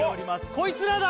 こいつらだ！